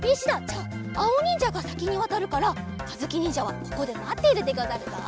じゃあおにんじゃがさきにわたるからかずきにんじゃはここでまっているでござるぞ。